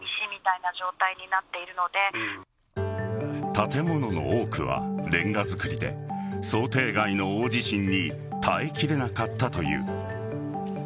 建物の多くはれんが造りで想定外の大地震に耐え切れなかったという。